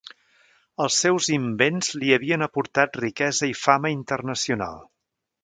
Els seus invents li havien aportat riquesa i fama internacional.